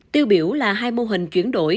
tiêu biểu là hai mô hình chuyển đổi